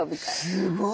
すごい。